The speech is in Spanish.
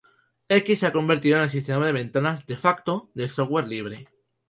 X se ha convertido en el sistema de ventanas "de facto" del software libre.